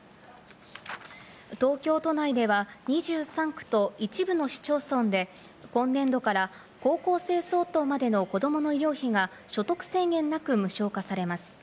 東京都内では２３区と一部の市町村で今年度から、高校生相当までの子供の医療費が所得制限なく無償化されます。